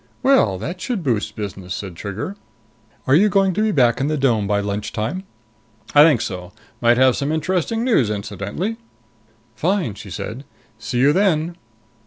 "Well, that should boost business," said Trigger. "Are you going to be back in the dome by lunchtime?" "I think so. Might have some interesting news, too, incidentally." "Fine," she said. "See you then."